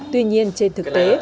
tuy nhiên trên thực tế